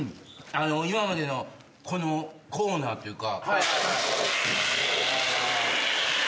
今までのこのコーナーというか。